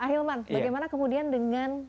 ahilman bagaimana kemudian dengan